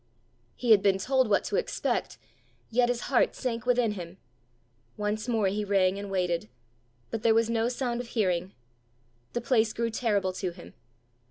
He had been told what to expect, yet his heart sank within him. Once more he rang and waited; but there was no sound of hearing. The place grew terrible to him.